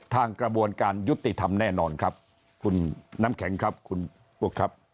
กระบวนการยุติธรรมแน่นอนครับคุณน้ำแข็งครับคุณปุ๊กครับ